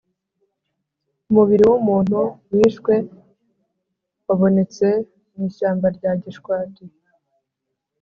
umubiri w’umuntu wishwe wabonetse mu ishyamba rya gishwati